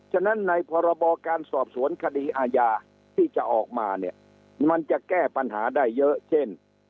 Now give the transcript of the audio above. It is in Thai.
ฉะนั้นในพรบการสอบสวนคดีอาญาที่จะออกมาเนี่ยมันจะแก้ปัญหาได้เยอะเช่น